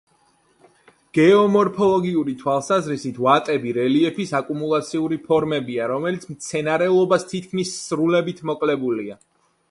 გეომორფოლოგიური თვალსაზრისით ვატები რელიეფის აკუმულაციური ფორმებია, რომელიც მცენარეულობას თითქმის სრულებით მოკლებულია.